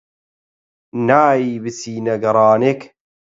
نایەی بچینە گەڕانێک؟